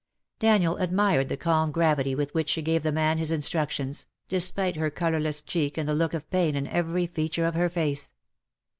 Daniel admired the calm gravity with which she gave the man his instruc tions, despite her colourless cheek and the look of pain in every feature of her face.